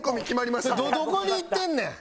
どこに行ってんねん！